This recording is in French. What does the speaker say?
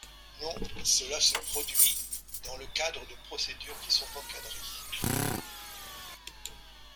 Non ! Cela se produit dans le cadre de procédures qui sont encadrées.